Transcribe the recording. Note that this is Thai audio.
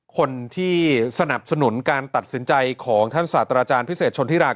คนที่สนับสนุนการตัดสินใจของท่านศาสตราจารย์พิเศษชนธิรา